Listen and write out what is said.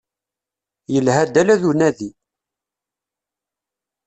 Yelha-d ala d unadi.